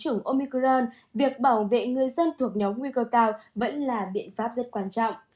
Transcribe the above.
trưởng omicron việc bảo vệ người dân thuộc nhóm nguy cơ cao vẫn là biện pháp rất quan trọng